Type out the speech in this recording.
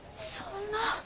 そんな。